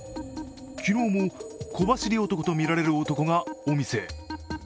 昨日も小走り男とみられる男がお店へ。